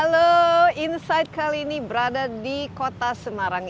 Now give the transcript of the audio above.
halo insight kali ini berada di kota semarang